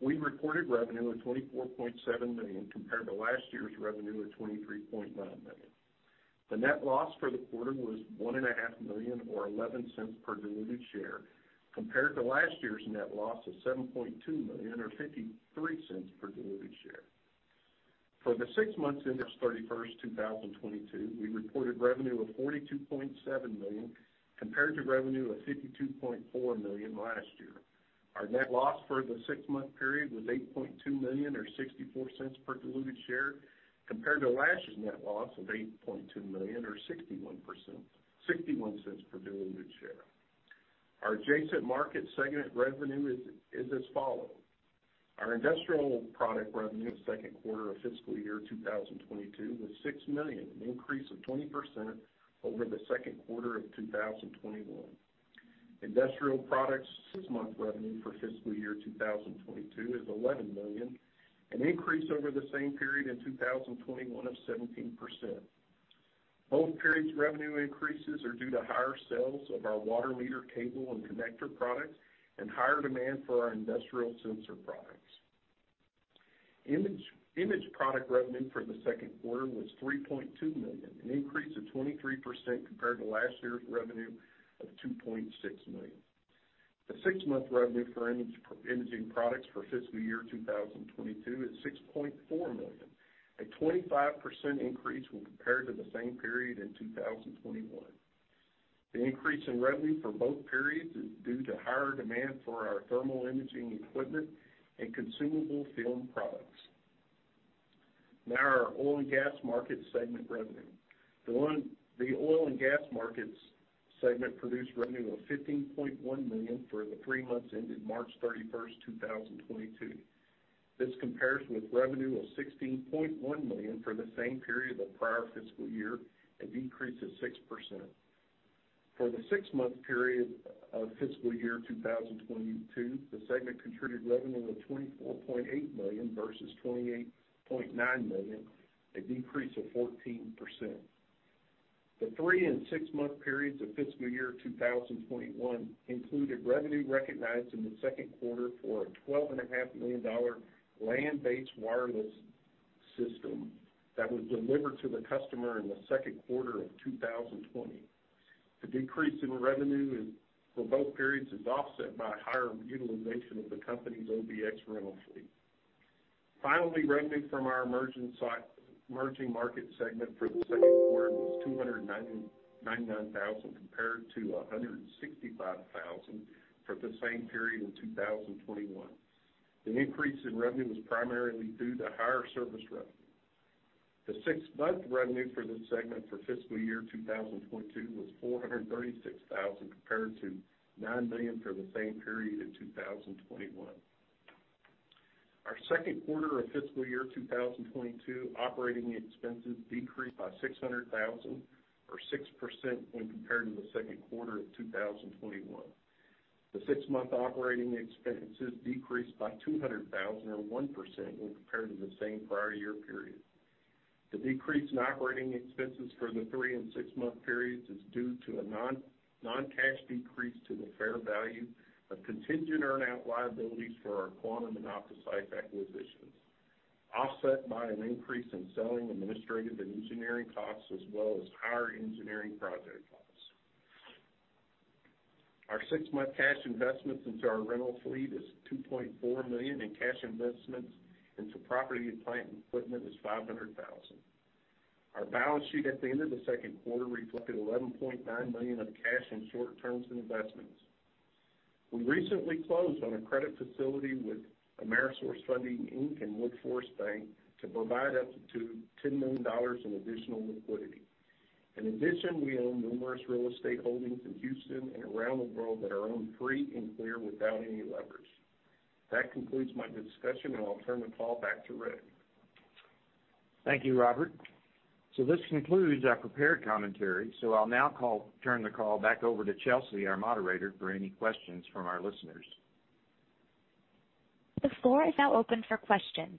We reported revenue of $24.7 million compared to last year's revenue of $23.9 million. The net loss for the quarter was $1.5 million, or $0.11 per diluted share compared to last year's net loss of $7.2 million or $0.53 per diluted share. For the six months ended March 31, 2022, we reported revenue of $42.7 million compared to revenue of $52.4 million last year. Our net loss for the six-month period was $8.2 million or $0.64 per diluted share compared to last year's net loss of $8.2 million or $0.61 per diluted share. Our adjacent market segment revenue is as follows: Our industrial product revenue second quarter of fiscal year 2022 was $6 million, an increase of 20% over the second quarter of 2021. Industrial products six-month revenue for fiscal year 2022 is $11 million, an increase over the same period in 2021 of 17%. Both periods' revenue increases are due to higher sales of our water meter cable and connector products and higher demand for our industrial sensor products. Imaging product revenue for the second quarter was $3.2 million, an increase of 23% compared to last year's revenue of $2.6 million. The six-month revenue for imaging products for fiscal year 2022 is $6.4 million, a 25% increase when compared to the same period in 2021. The increase in revenue for both periods is due to higher demand for our thermal imaging equipment and consumable film products. Now our oil and gas market segment revenue. The oil and gas market segment produced revenue of $15.1 million for the three months ended March 31, 2022. This compares with revenue of $16.1 million for the same period of the prior fiscal year, a decrease of 6%. For the six-month period of fiscal year 2022, the segment contributed revenue of $24.8 million versus $28.9 million, a decrease of 14%. The three- and six-month periods of fiscal year 2021 included revenue recognized in the second quarter for a $12.5 million land-based wireless system that was delivered to the customer in the second quarter of 2020. The decrease in revenue for both periods is offset by higher utilization of the company's OBX rental fleet. Finally, revenue from our emerging market segment for the second quarter was $299,000 compared to $165,000 for the same period in 2021. The increase in revenue was primarily due to higher service revenue. The six-month revenue for this segment for fiscal year 2022 was $436,000 compared to $9 million for the same period in 2021. Our second quarter of fiscal year 2022 operating expenses decreased by $600,000 or 6% when compared to the second quarter of 2021. The six-month operating expenses decreased by $200,000 or 1% when compared to the same prior year period. The decrease in operating expenses for the three and six-month periods is due to a non-cash decrease to the fair value of contingent earn-out liabilities for our Quantum and OptoSeis acquisitions, offset by an increase in selling, administrative, and engineering costs as well as higher engineering project costs. Our six-month cash investments into our rental fleet is $2.4 million, and cash investments into property and plant and equipment is $500,000. Our balance sheet at the end of the second quarter reflected $11.9 million of cash and short-term investments. We recently closed on a credit facility with Amerisource Funding Inc. and Woodforest National Bank to provide up to $10 million in additional liquidity. In addition, we own numerous real estate holdings in Houston and around the world that are owned free and clear without any leverage. That concludes my discussion, and I'll turn the call back to Rick. Thank you, Robert. This concludes our prepared commentary, so I'll now turn the call back over to Chelsea, our moderator, for any questions from our listeners. The floor is now open for questions.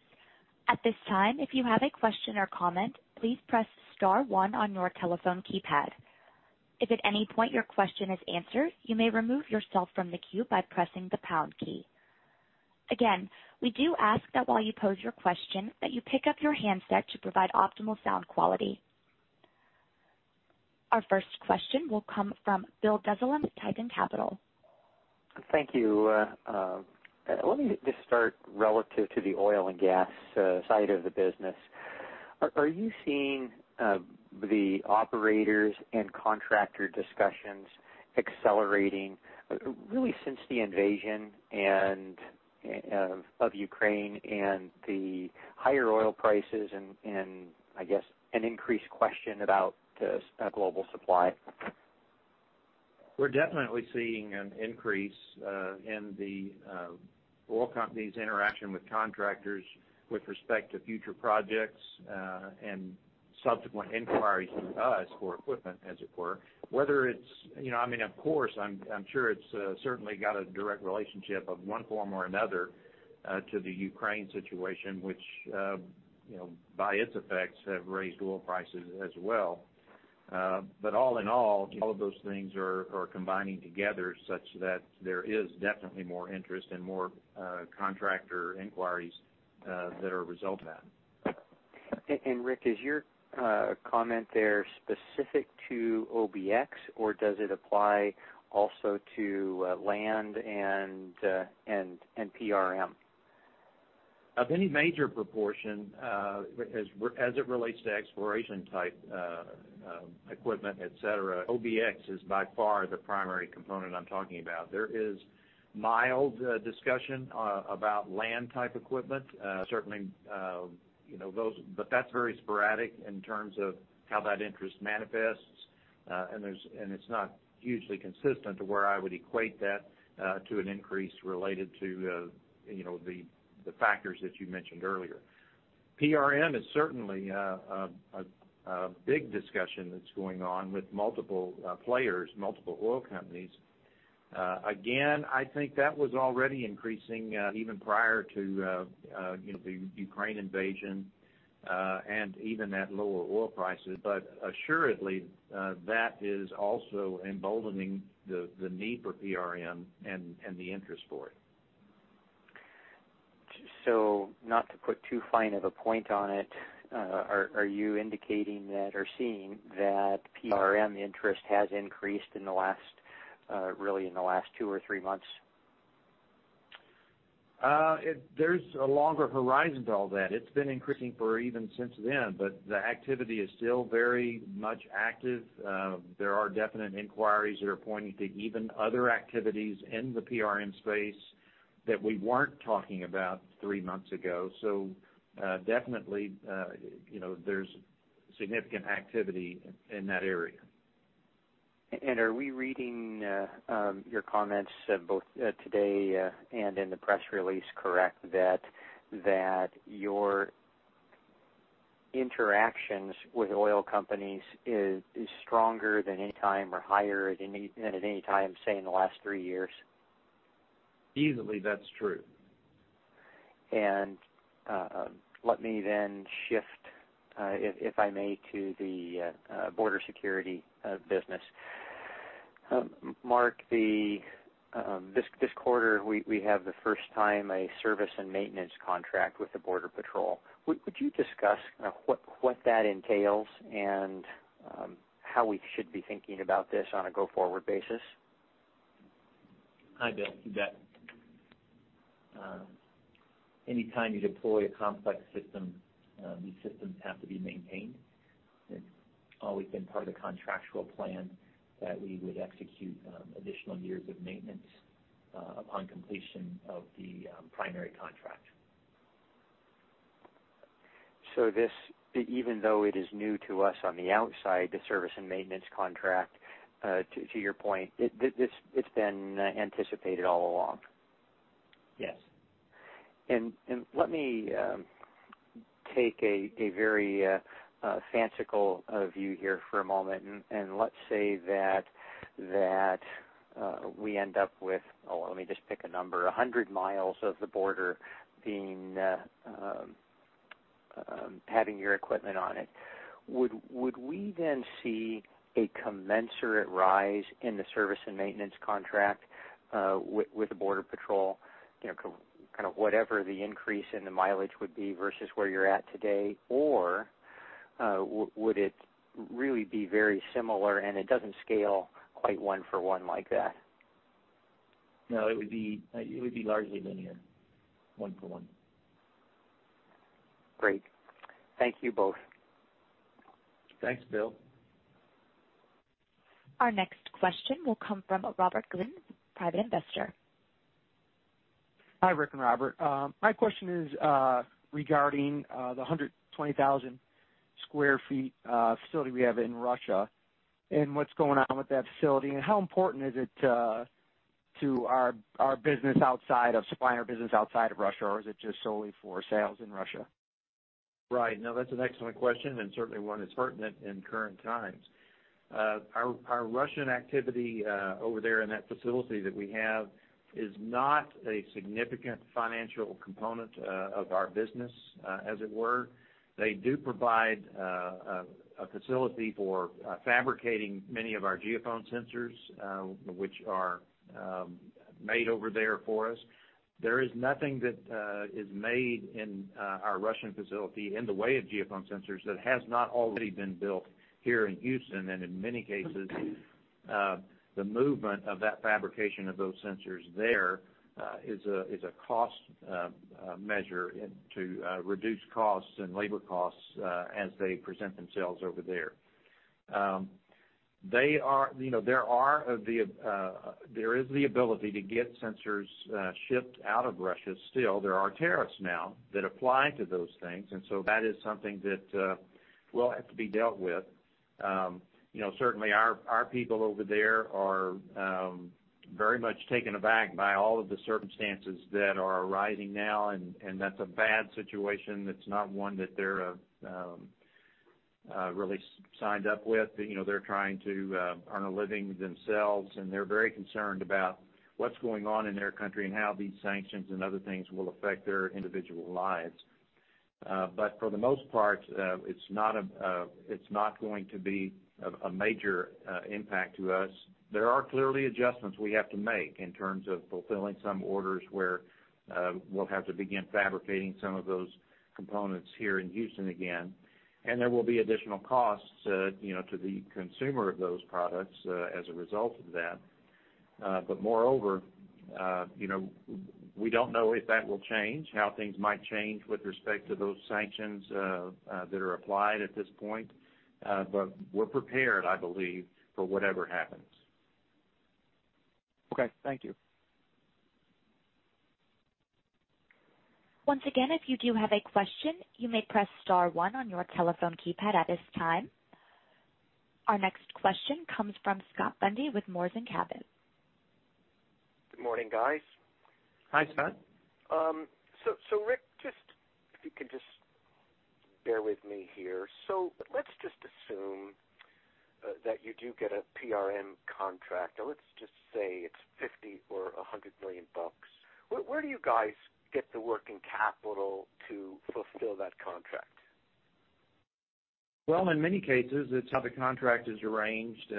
At this time, if you have a question or comment, please press star one on your telephone keypad. If at any point your question is answered, you may remove yourself from the queue by pressing the pound key. Again, we do ask that while you pose your question, that you pick up your handset to provide optimal sound quality. Our first question will come from Bill Dezellem at Tieton Capital. Thank you. Let me just start relative to the oil and gas side of the business. Are you seeing the operators and contractor discussions accelerating really since the invasion of Ukraine and the higher oil prices and I guess an increased question about global supply? We're definitely seeing an increase in the oil companies' interaction with contractors with respect to future projects and subsequent inquiries to us for equipment, as it were. Whether it's you know, I mean, of course, I'm sure it's certainly got a direct relationship of one form or another to the Ukraine situation, which you know by its effects have raised oil prices as well. All in all of those things are combining together such that there is definitely more interest and more contractor inquiries that are a result of that. Rick, is your comment there specific to OBX, or does it apply also to land and PRM? Of any major proportion, as it relates to exploration type, equipment, etc, OBX is by far the primary component I'm talking about. There is mild discussion about land type equipment, certainly, you know, those, but that's very sporadic in terms of how that interest manifests. It's not hugely consistent to where I would equate that to an increase related to you know, the factors that you mentioned earlier. PRM is certainly a big discussion that's going on with multiple players, multiple oil companies. Again, I think that was already increasing even prior to you know, the Ukraine invasion and even at lower oil prices. Assuredly, that is also emboldening the need for PRM and the interest for it. Not to put too fine of a point on it, are you indicating that or seeing that PRM interest has increased in the last, really in the last two or three months? There's a longer horizon to all that. It's been increasing for ever since then, but the activity is still very much active. There are definite inquiries that are pointing to even other activities in the PRM space that we weren't talking about three months ago. Definitely, you know, there's significant activity in that area. Are we reading your comments both today and in the press release correct that your interactions with oil companies is stronger than at any time, say, in the last three years? Easily that's true. Let me then shift, if I may, to the border security business. Mark, this quarter, we have for the first time a service and maintenance contract with the Border Patrol. Would you discuss what that entails and how we should be thinking about this on a go-forward basis? Hi, Bill. You bet. Anytime you deploy a complex system, these systems have to be maintained. It's always been part of the contractual plan that we would execute additional years of maintenance upon completion of the primary contract. This, even though it is new to us on the outside, the service and maintenance contract, to your point, it's been anticipated all along. Yes. Let me take a very fanciful view here for a moment, and let's say that we end up with, oh, let me just pick a number, 100 miles of the border being having your equipment on it. Would we then see a commensurate rise in the service and maintenance contract with the Border Patrol, you know, kind of whatever the increase in the mileage would be versus where you're at today? Or would it really be very similar, and it doesn't scale quite one for one like that? No, it would be largely linear, one for one. Great. Thank you both. Thanks, Bill. Our next question will come from Robert Glidden, private investor. Hi, Rick and Robert. My question is regarding the 120,000 sq ft facility we have in Russia, and what's going on with that facility, and how important is it to our business outside of supplier business outside of Russia, or is it just solely for sales in Russia? Right. No, that's an excellent question and certainly one that's pertinent in current times. Our Russian activity over there in that facility that we have is not a significant financial component of our business, as it were. They do provide a facility for fabricating many of our geophone sensors, which are made over there for us. There is nothing that is made in our Russian facility in the way of geophone sensors that has not already been built here in Houston. In many cases, the movement of that fabrication of those sensors there is a cost measure and to reduce costs and labor costs, as they present themselves over there. They are, you know, there is the ability to get sensors shipped out of Russia still. There are tariffs now that apply to those things, and that is something that will have to be dealt with. You know, certainly our people over there are very much taken aback by all of the circumstances that are arising now, and that's a bad situation. That's not one that they're really signed up with. You know, they're trying to earn a living themselves, and they're very concerned about what's going on in their country and how these sanctions and other things will affect their individual lives. For the most part, it's not going to be a major impact to us. There are clearly adjustments we have to make in terms of fulfilling some orders where we'll have to begin fabricating some of those components here in Houston again. There will be additional costs, you know, to the consumer of those products, as a result of that. Moreover, you know, we don't know if that will change, how things might change with respect to those sanctions that are applied at this point. We're prepared, I believe, for whatever happens. Okay. Thank you. Once again, if you do have a question, you may press star one on your telephone keypad at this time. Our next question comes from Scott Bundy with Moors & Cabot. Good morning, guys. Hi, Scott. Rick, just if you could just bear with me here. Let's just assume that you do get a PRM contract. Now, let's just say it's $50 million or $100 million. Where do you guys get the working capital to fulfill that contract? Well, in many cases, it's how the contract is arranged,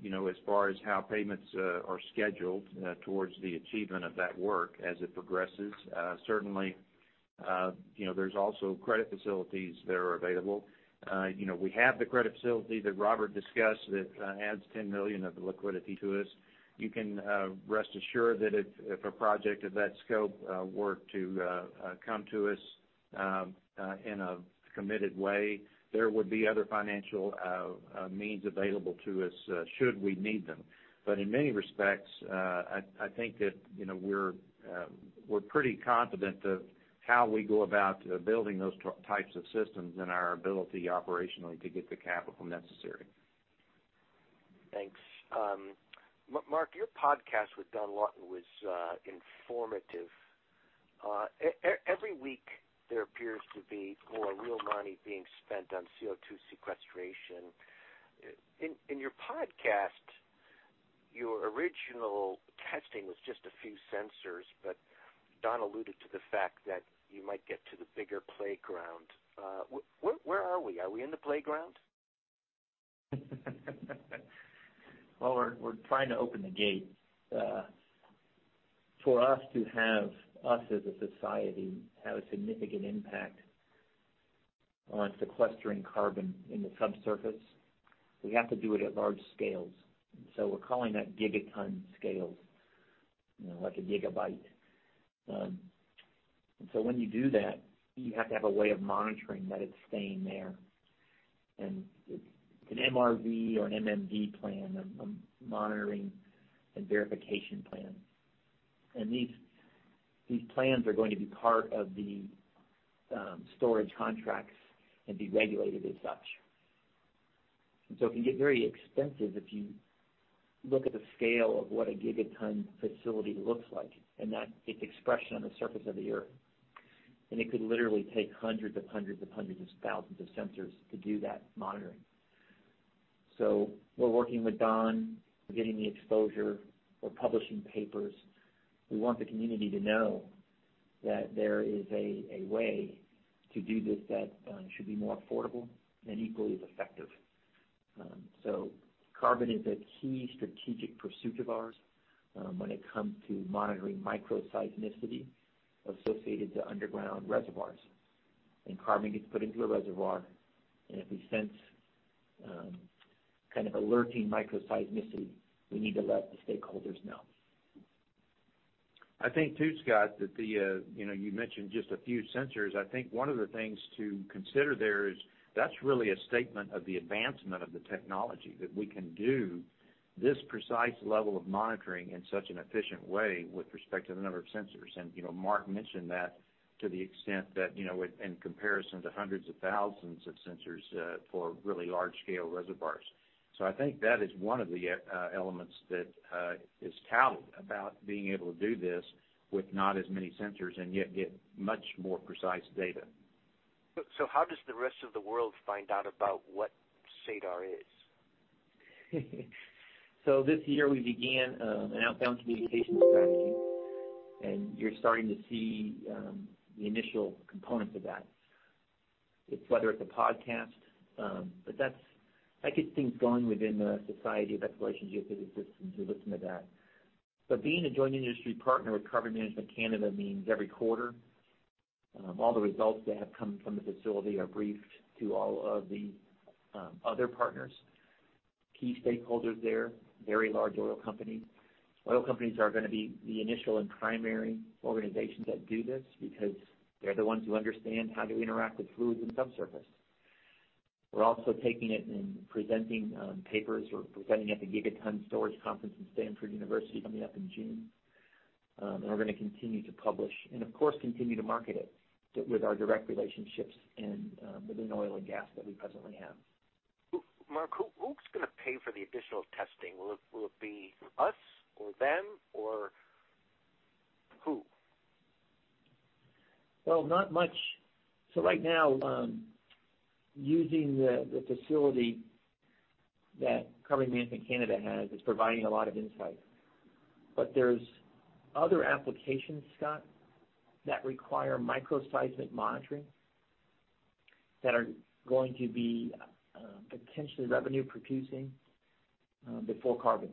you know, as far as how payments are scheduled towards the achievement of that work as it progresses. Certainly, you know, there's also credit facilities that are available. You know, we have the credit facility that Robert discussed that adds $10 million of liquidity to us. You can rest assured that if a project of that scope were to come to us in a committed way, there would be other financial means available to us should we need them. In many respects, I think that, you know, we're pretty confident of how we go about building those types of systems and our ability operationally to get the capital necessary. Thanks. Mark, your podcast with Don Lawton was informative. Every week, there appears to be more real money being spent on CO2 sequestration. In your podcast, your original testing was just a few sensors, but Don alluded to the fact that you might get to the bigger playground. Where are we? Are we in the playground? Well, we're trying to open the gate. For us as a society to have a significant impact on sequestering carbon in the subsurface, we have to do it at large scales. We're calling that gigaton scales, you know, like a gigabyte. When you do that, you have to have a way of monitoring that it's staying there. It's an MRV or an MMV plan, a monitoring and verification plan. These plans are going to be part of the storage contracts and be regulated as such. It can get very expensive if you look at the scale of what a gigaton facility looks like, and its expression on the surface of the earth. It could literally take hundreds of thousands of sensors to do that monitoring. We're working with Don, we're getting the exposure, we're publishing papers. We want the community to know that there is a way to do this that should be more affordable and equally as effective. Carbon is a key strategic pursuit of ours when it comes to monitoring microseismicity associated to underground reservoirs. Carbon gets put into a reservoir, and if we sense kind of alerting microseismicity, we need to let the stakeholders know. I think too, Scott, that, you know, you mentioned just a few sensors. I think one of the things to consider there is that's really a statement of the advancement of the technology that we can do this precise level of monitoring in such an efficient way with respect to the number of sensors. You know, Mark mentioned that to the extent that, you know, in comparison to hundreds of thousands of sensors for really large scale reservoirs. I think that is one of the elements that is touted about being able to do this with not as many sensors and yet get much more precise data. How does the rest of the world find out about what SADAR is? This year we began an outbound communication strategy, and you're starting to see the initial components of that. It's whether it's a podcast, but that's. I could think going within the Society of Exploration Geophysicists systems, you're listening to that. Being a joint industry partner with Carbon Management Canada means every quarter all the results that have come from the facility are briefed to all of the other partners, key stakeholders there, very large oil companies. Oil companies are gonna be the initial and primary organizations that do this because they're the ones who understand how to interact with fluids in subsurface. We're also taking it and presenting papers. We're presenting at the Gigaton Storage Conference in Stanford University coming up in June. We're gonna continue to publish and of course continue to market it with our direct relationships and within oil and gas that we presently have. Mark, who's gonna pay for the additional testing? Will it be us or them, or who? Well, not much. Right now, using the facility that Carbon Management Canada has is providing a lot of insight. There's other applications, Scott, that require microseismic monitoring that are going to be potentially revenue producing before carbon.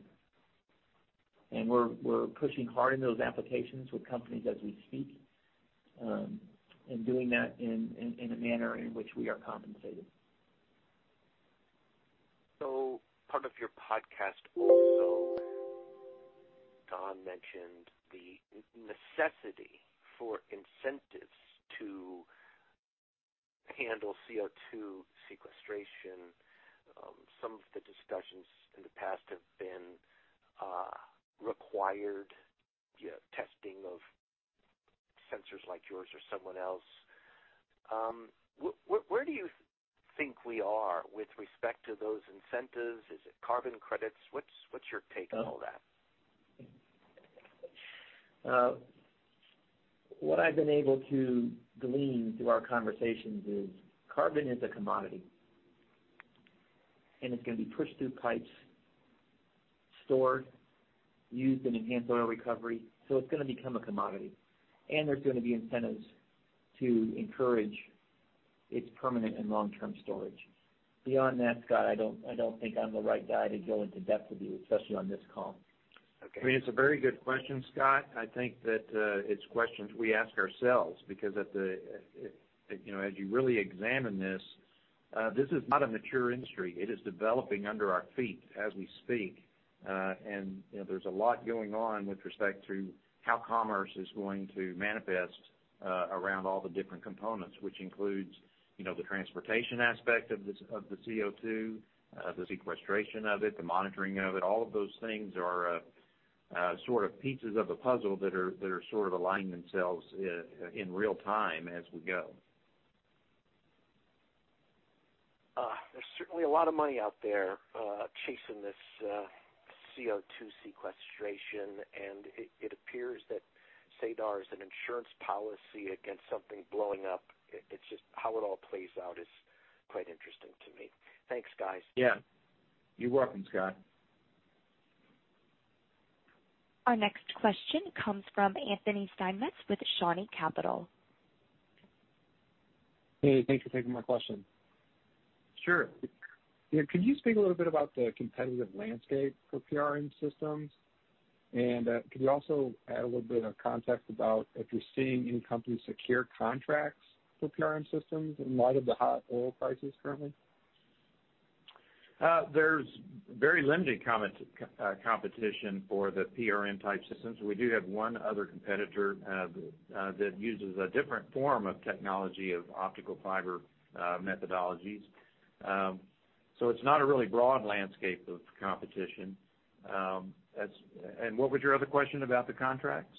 We're pushing hard in those applications with companies as we speak, and doing that in a manner in which we are compensated. Part of your podcast also, Don mentioned the necessity for incentives to handle CO2 sequestration. Some of the discussions in the past have been required, you know, testing of sensors like yours or someone else. Where do you think we are with respect to those incentives? Is it carbon credits? What's your take on all that? What I've been able to glean through our conversations is carbon is a commodity, and it's gonna be pushed through pipes, stored, used in enhanced oil recovery. It's gonna become a commodity, and there's gonna be incentives to encourage its permanent and long-term storage. Beyond that, Scott, I don't think I'm the right guy to go into depth with you, especially on this call. Okay. I mean, it's a very good question, Scott. I think that it's questions we ask ourselves because at the you know as you really examine this this is not a mature industry. It is developing under our feet as we speak. You know, there's a lot going on with respect to how commerce is going to manifest around all the different components, which includes you know the transportation aspect of this of the CO2, the sequestration of it, the monitoring of it. All of those things are sort of pieces of a puzzle that are sort of aligning themselves in real time as we go. There's certainly a lot of money out there chasing this CO2 sequestration, and it appears that SADAR is an insurance policy against something blowing up. It's just how it all plays out is quite interesting to me. Thanks, guys. Yeah. You're welcome, Scott. Our next question comes from Anthony Steinmetz with Shawnee Capital. Hey, thanks for taking my question. Sure. Yeah. Could you speak a little bit about the competitive landscape for PRM systems? Could you also add a little bit of context about if you're seeing any companies secure contracts for PRM systems in light of the hot oil prices currently? There's very limited competition for the PRM type systems. We do have one other competitor that uses a different form of technology of optical fiber methodologies. It's not a really broad landscape of competition. What was your other question about the contracts?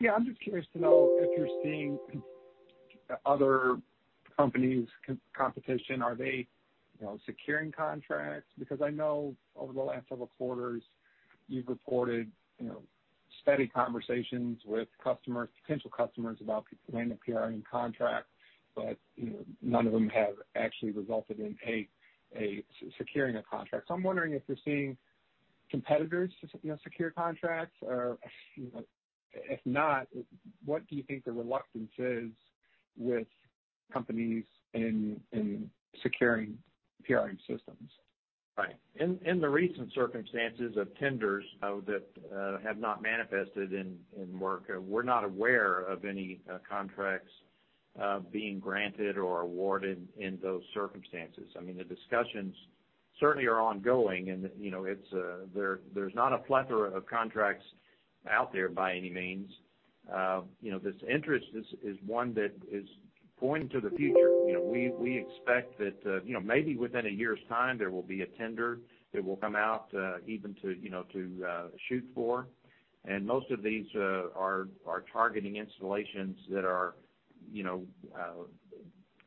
Yeah, I'm just curious to know if you're seeing other companies' competition, are they, you know, securing contracts? Because I know over the last several quarters, you've reported, you know, steady conversations with customers, potential customers about winning a PRM contract. You know, none of them have actually resulted in securing a contract. I'm wondering if you're seeing competitors, you know, secure contracts or, you know, if not, what do you think the reluctance is with companies in securing PRM systems? Right. In the recent circumstances of tenders that have not manifested in work, we're not aware of any contracts being granted or awarded in those circumstances. I mean, the discussions certainly are ongoing and, you know, it's, there's not a plethora of contracts out there by any means. You know, this interest is one that is pointing to the future. You know, we expect that, you know, maybe within a year's time, there will be a tender that will come out, even to, you know, to shoot for. Most of these are targeting installations that are, you know,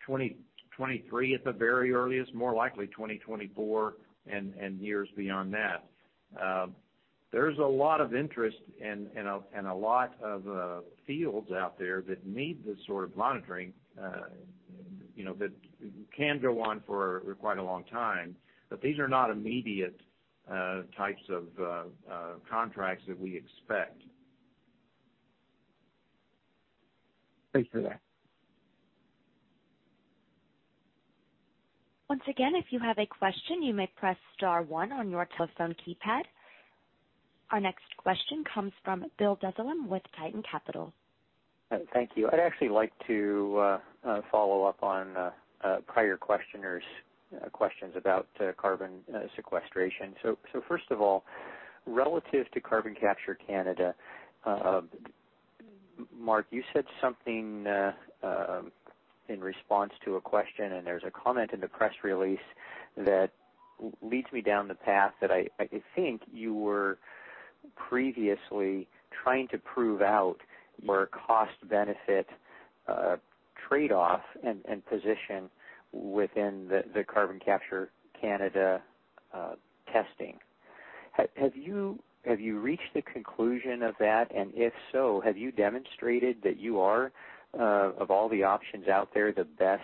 2020, 2023 at the very earliest, more likely 2020, 2024 and years beyond that. There's a lot of interest and a lot of fields out there that need this sort of monitoring, you know, that can go on for quite a long time. These are not immediate types of contracts that we expect. Thanks for that. Once again, if you have a question, you may press star one on your telephone keypad. Our next question comes from Bill Dezellem with Tieton Capital Management. Thank you. I'd actually like to follow up on a prior questioner's questions about carbon sequestration. First of all, relative to Carbon Management Canada, Mark, you said something in response to a question, and there's a comment in the press release that leads me down the path that I think you were previously trying to prove out or cost-benefit trade-off and position within the Carbon Management Canada testing. Have you reached the conclusion of that? If so, have you demonstrated that you are of all the options out there, the best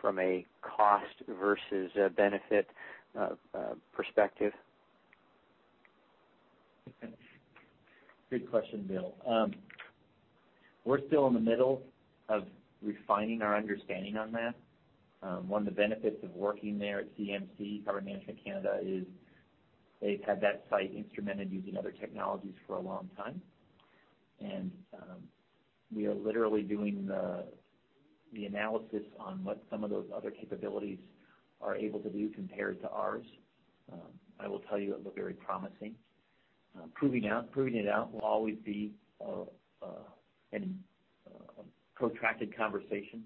from a cost versus a benefit perspective? Good question, Bill. We're still in the middle of refining our understanding on that. One of the benefits of working there at CMC, Carbon Management Canada, is they've had that site instrumented using other technologies for a long time. We are literally doing the analysis on what some of those other capabilities are able to do compared to ours. I will tell you it looked very promising. Proving it out will always be a protracted conversation.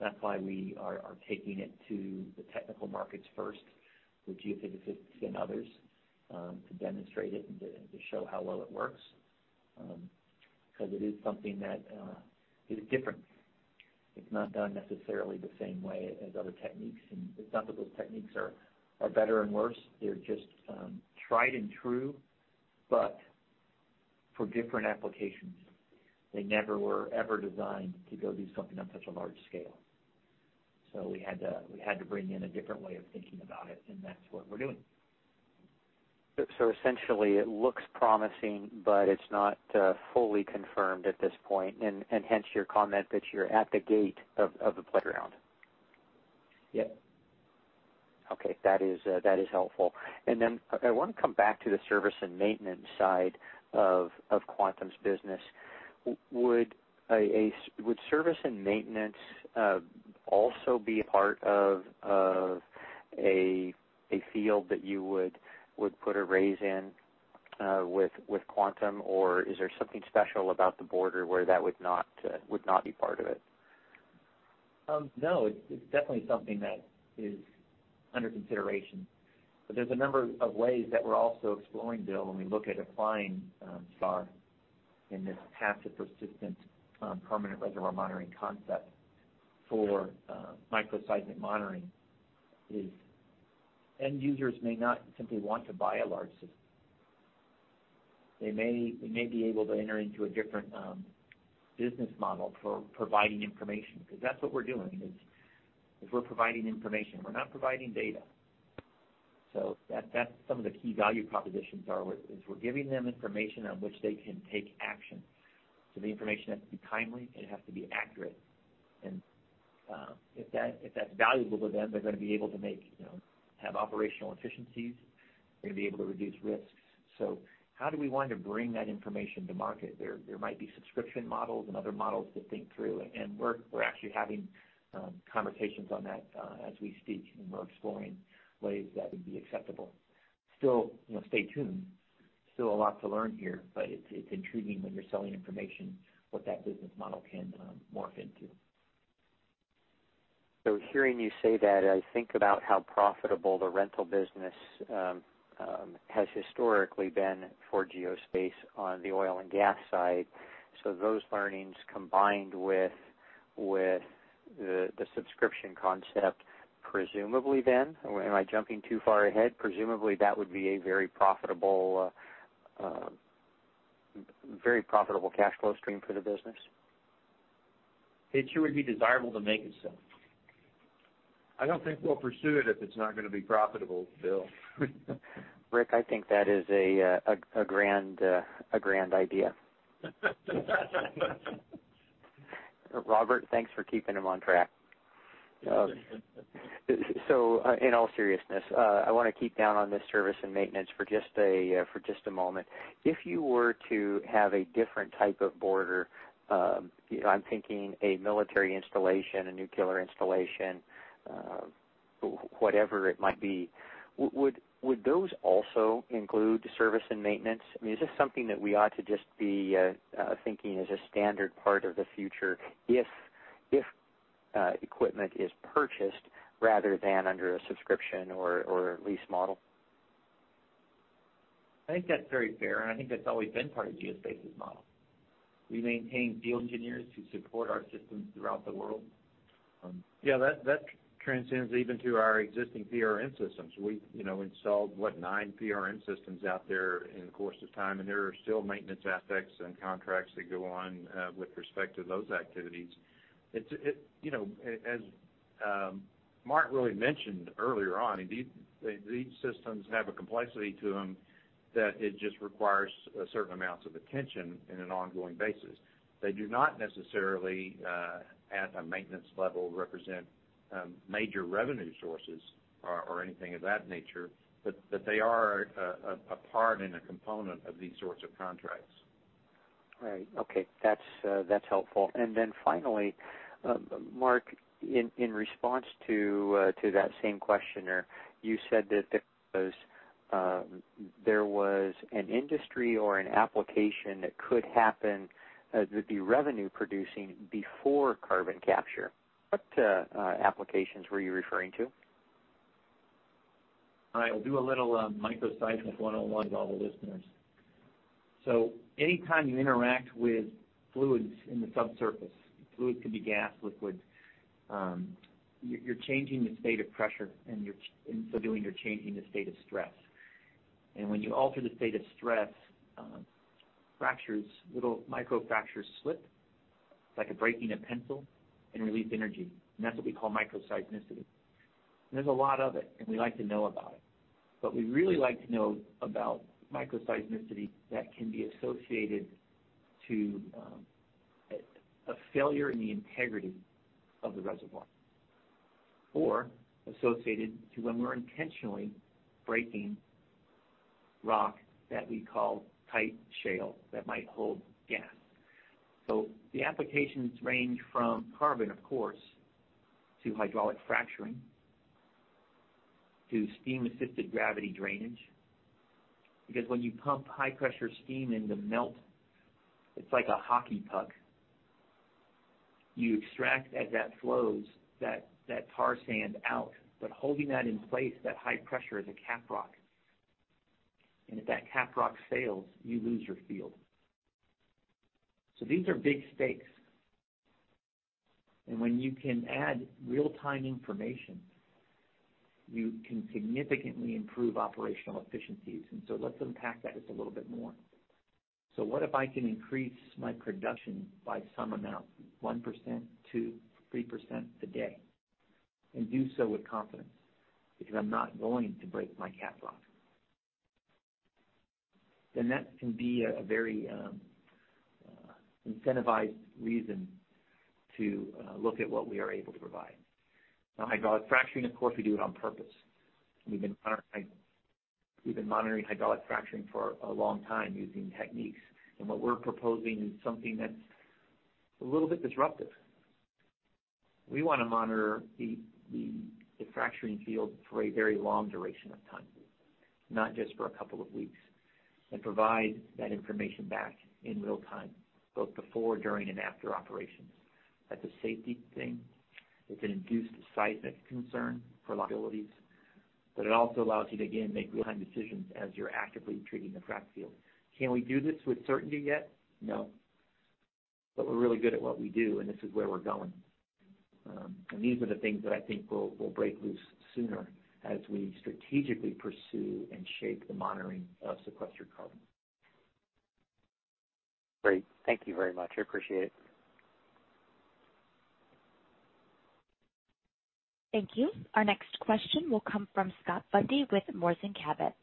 That's why we are taking it to the technical markets first with geophysicists and others to demonstrate it and to show how well it works. Because it is something that is different. It's not done necessarily the same way as other techniques. It's not that those techniques are better and worse. They're just, tried and true, but for different applications. They never were ever designed to go do something on such a large scale. We had to bring in a different way of thinking about it, and that's what we're doing. Essentially, it looks promising, but it's not fully confirmed at this point, and hence your comment that you're at the gate of the playground. Yeah. Okay. That is helpful. I wanna come back to the service and maintenance side of Quantum's business. Would service and maintenance also be a part of a field that you would put a raise in with Quantum? Is there something special about the border where that would not be part of it? No, it's definitely something that is under consideration. There's a number of ways that we're also exploring, Bill, when we look at applying SADAR in this passive, persistent, permanent reservoir monitoring concept for microseismic monitoring. End users may not simply want to buy a large system. They may be able to enter into a different business model for providing information, because that's what we're doing is providing information. We're not providing data. That's some of the key value propositions. We're giving them information on which they can take action. The information has to be timely, it has to be accurate. If that's valuable to them, they're gonna be able to make, you know, have operational efficiencies. They're gonna be able to reduce risks. How do we want to bring that information to market? There might be subscription models and other models to think through. We're actually having conversations on that as we speak, and we're exploring ways that would be acceptable. Still, you know, stay tuned. Still a lot to learn here, but it's intriguing when you're selling information, what that business model can morph into. Hearing you say that, I think about how profitable the rental business has historically been for Geospace on the oil and gas side. Those learnings combined with the subscription concept, presumably then, am I jumping too far ahead? Presumably, that would be a very profitable cash flow stream for the business. It sure would be desirable to make it so. I don't think we'll pursue it if it's not gonna be profitable, Bill. Rick, I think that is a grand idea. Robert, thanks for keeping him on track. In all seriousness, I wanna drill down on this service and maintenance for just a moment. If you were to have a different type of border, you know, I'm thinking a military installation, a nuclear installation, whatever it might be, would those also include service and maintenance? I mean, is this something that we ought to just be thinking as a standard part of the future if equipment is purchased rather than under a subscription or a lease model? I think that's very fair, and I think that's always been part of Geospace's model. We maintain field engineers who support our systems throughout the world. Yeah, that transcends even to our existing PRM systems. We, you know, installed nine PRM systems out there in the course of time, and there are still maintenance aspects and contracts that go on with respect to those activities. It's you know, as Mark really mentioned earlier on, these systems have a complexity to them that it just requires certain amounts of attention in an ongoing basis. They do not necessarily at a maintenance level represent major revenue sources or anything of that nature, but they are a part and a component of these sorts of contracts. Right. Okay. That's helpful. Finally, Mark, in response to that same questioner, you said that there was an industry or an application that could happen that would be revenue producing before carbon capture. What applications were you referring to? All right, I'll do a little microseismic 101 to all the listeners. Anytime you interact with fluids in the subsurface, fluid could be gas, liquid, you're changing the state of pressure, and you're in so doing, you're changing the state of stress. When you alter the state of stress, fractures, little microfractures slip, like breaking a pencil and release energy. That's what we call microseismicity. There's a lot of it, and we like to know about it. We really like to know about microseismicity that can be associated to a failure in the integrity of the reservoir or associated to when we're intentionally breaking rock that we call tight shale that might hold gas. The applications range from carbon, of course, to hydraulic fracturing to steam-assisted gravity drainage. Because when you pump high pressure steam in the melt, it's like a hockey puck. You extract as that flows that tar sand out, but holding that in place, that high pressure is a cap rock. If that cap rock fails, you lose your field. These are big stakes. When you can add real-time information, you can significantly improve operational efficiencies. Let's unpack that just a little bit more. What if I can increase my production by some amount, 1%, 2%, 3% a day, and do so with confidence because I'm not going to break my cap rock? That can be a very incentivized reason to look at what we are able to provide. Now, hydraulic fracturing, of course, we do it on purpose. We've been monitoring hydraulic fracturing for a long time using techniques. What we're proposing is something that's a little bit disruptive. We wanna monitor the fracturing field for a very long duration of time, not just for a couple of weeks, and provide that information back in real time, both before, during, and after operations. That's a safety thing. It's an induced seismic concern for liabilities. But it also allows you to, again, make real-time decisions as you're actively treating the frack field. Can we do this with certainty yet? No. But we're really good at what we do, and this is where we're going. These are the things that I think will break loose sooner as we strategically pursue and shape the monitoring of sequestered carbon. Great. Thank you very much. I appreciate it. Thank you. Our next question will come from Scott Bundy with Moors & Cabot.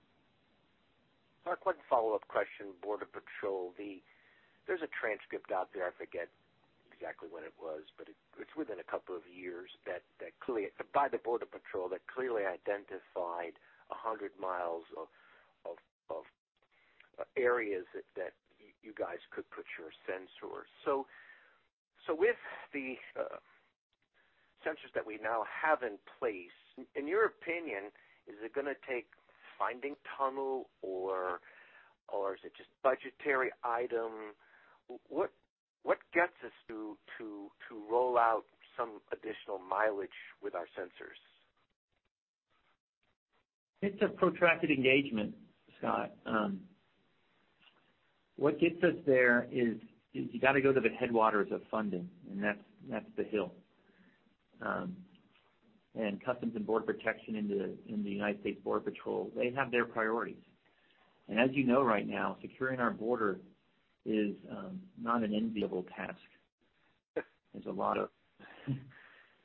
Mark, one follow-up question, Border Patrol. There's a transcript out there, I forget exactly when it was, but it's within a couple of years, that clearly by the Border Patrol that clearly identified 100 miles of areas that you guys could put your sensors. So with the sensors that we now have in place, in your opinion, is it gonna take finding tunnel or is it just budgetary item? What gets us to roll out some additional mileage with our sensors? It's a protracted engagement, Scott. What gets us there is you gotta go to the headwaters of funding, and that's the hill. U.S. Customs and Border Protection in the United States Border Patrol, they have their priorities. As you know right now, securing our border is not an enviable task.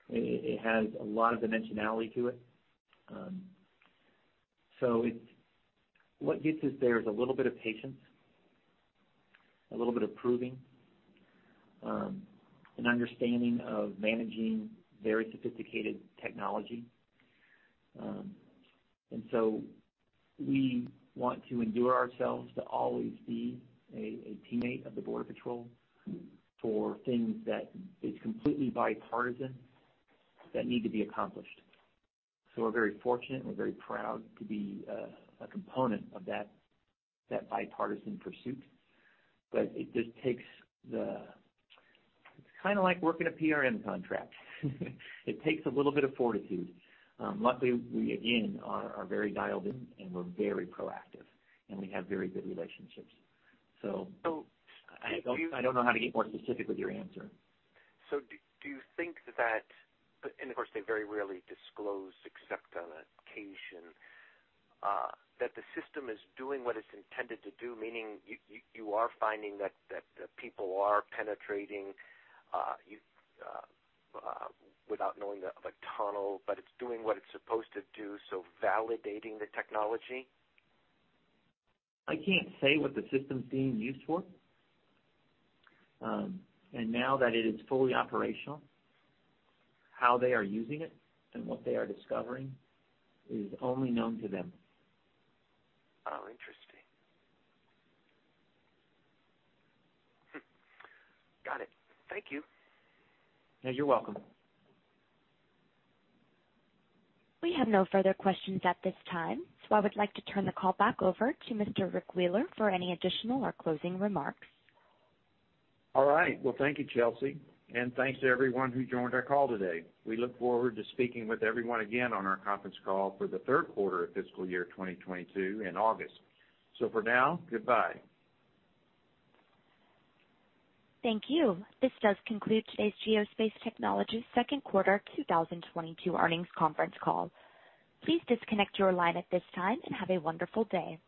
It has a lot of dimensionality to it. What gets us there is a little bit of patience, a little bit of proving, an understanding of managing very sophisticated technology. We want to endear ourselves to always be a teammate of the Border Patrol for things that is completely bipartisan that need to be accomplished. We're very fortunate, and we're very proud to be a component of that bipartisan pursuit. It's kinda like working a PRM contract. It takes a little bit of fortitude. Luckily, we again are very dialed in and we're very proactive, and we have very good relationships. Do you? I don't know how to get more specific with your answer. Do you think that, and of course, they very rarely disclose except on occasion that the system is doing what it's intended to do, meaning you are finding that the people are penetrating without knowing of a tunnel, but it's doing what it's supposed to do, so validating the technology? I can't say what the system's being used for. Now that it is fully operational, how they are using it and what they are discovering is only known to them. Oh, interesting. Got it. Thank you. Yeah, you're welcome. We have no further questions at this time, so I would like to turn the call back over to Mr. Rick Wheeler for any additional or closing remarks. All right. Well, thank you, Chelsea, and thanks to everyone who joined our call today. We look forward to speaking with everyone again on our conference call for the third quarter of fiscal year 2022 in August. For now, goodbye. Thank you. This does conclude today's Geospace Technologies second quarter 2022 earnings conference call. Please disconnect your line at this time and have a wonderful day.